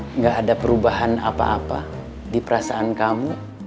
tidak ada perubahan apa apa di perasaan kamu